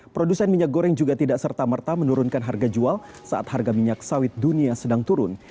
produsen minyak goreng juga tidak serta merta menurunkan harga jual saat harga minyak sawit dunia sedang turun